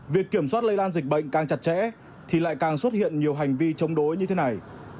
việc kiểm soát lây lan dịch bệnh càng chặt chẽ thì lại càng xuất hiện nhiều hành vi chống đối như thế này